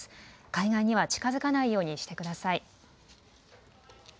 海岸には近づかないようにしてください。